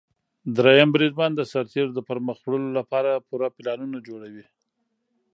دریم بریدمن د سرتیرو د پرمخ وړلو لپاره پوره پلانونه جوړوي.